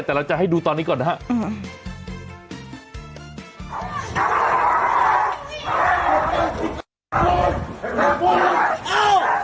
แต่เราจะให้ดูตอนนี้ก่อนนะครับ